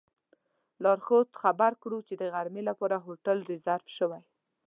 لارښود خبر کړو چې د غرمې لپاره هوټل ریزرف شوی.